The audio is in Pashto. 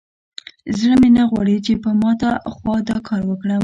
زړه مې نه غواړي چې په ماته خوا دا کار وکړم.